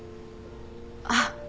あっ。